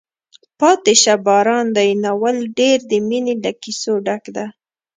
پاتې شه باران دی ناول ډېر د مینې له کیسو ډک ده.